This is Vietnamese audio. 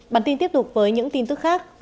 bản tin tiếp tục với những tin tức khác